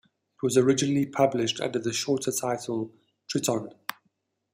It was originally published under the shorter title Triton.